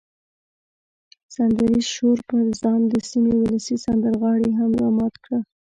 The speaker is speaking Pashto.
سندریز شور پر ځان د سیمې ولسي سندرغاړي هم را مات کړه.